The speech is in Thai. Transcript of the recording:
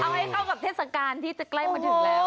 เอาให้เข้ากับเทศกาลที่จะใกล้มาถึงแล้ว